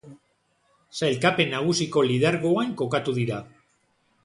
Sailkapen nagusiko lidergoan kokatu dira.